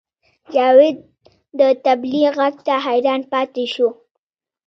جاوید د طبلې غږ ته حیران پاتې شو